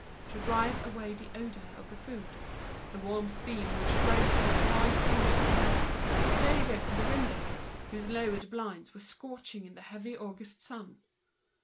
To drive out the odour of the food—the warm steam which rose from the five hundred plates—the windows had been opened, while the lowered blinds were scorching in the heavy August sun.